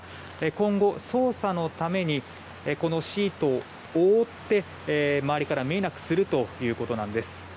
今後、捜査のためにこのシートを覆って周りから見えなくするということです。